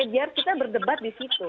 biar kita berdebat disitu